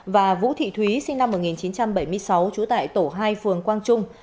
và vũ thị thúy sinh năm một nghìn chín trăm bảy mươi sáu trú tại tổ hai phường quang trung